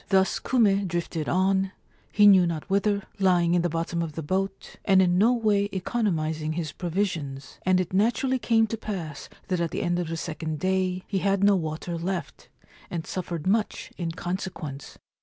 Thus Kume drifted on, he knew not whither, lying in the bottom of the boat, and in no way economis ing his provisions ; and it naturally came to pass that at the end of the second day he had no water left, and suffered much in consequence.